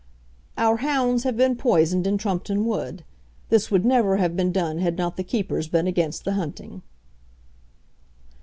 Our hounds have been poisoned in Trumpeton Wood. This would never have been done had not the keepers been against the hunting.